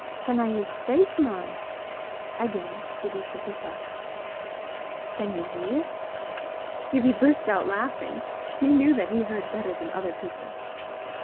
"Canna ye speyk, man?" Again Gibbie shook his head. "Can ye hear?" Gibbie burst out laughing. He knew that he heard better than other people.